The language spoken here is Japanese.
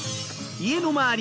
家の周り